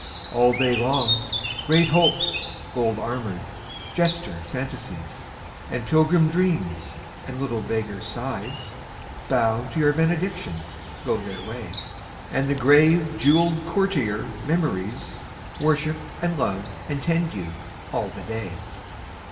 All day long Great Hopes gold armoured, jester Fantasies, And pilgrim Dreams, and little beggar Sighs, Bow to your benediction, go their way. And the grave jewelled courtier Memories Worship and love and tend you, all the day.